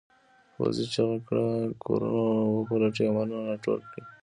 پوځي چیغه کړه کورونه وپلټئ او مالونه راټول کړئ.